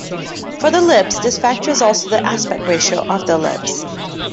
For the ellipse, this factor is also the aspect ratio of the ellipse.